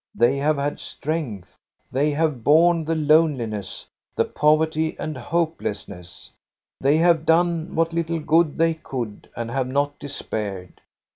They have had strength ; they have borne the loneli ness, the poverty, the hopelessness. They have done what little good they could and have not despaired.